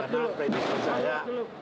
karena predikper saya